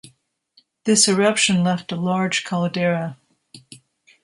This eruption left a large caldera.